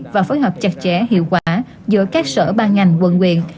và phối hợp chặt chẽ hiệu quả giữa các sở ban ngành quận quyện